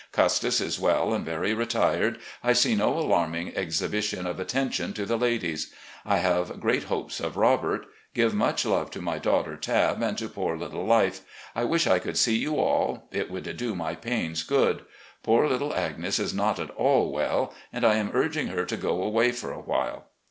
Custis is well and very retired; I see no alarming exhibition of attention to the ladies. I have great hopes of Robert. Give much love to my daughter Tabb and to poor little 'Life.' I wish I could see you all ; it would do my pains good. Poor little Agnes is not at all well, and I am urging her to go away for a while.